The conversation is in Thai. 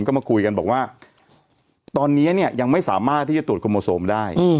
ก็มาคุยกันบอกว่าตอนนี้เนี่ยยังไม่สามารถที่จะตรวจโคโมโซมได้